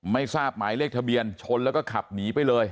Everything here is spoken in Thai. ไม่ทราบหมายเลขทะเบียนชนแล้วก็ขับหนีไปเลย